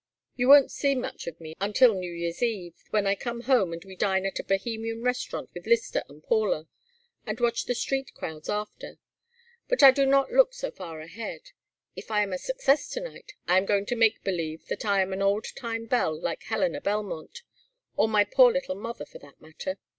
You won't see much of me until New Year's eve, when I come home and we dine at a Bohemian restaurant with Lyster and Paula, and watch the street crowds after. But I do not look so far ahead. If I am a success to night I am going to make believe that I am an old time belle like Helena Belmont, or my poor little mother, for that matter.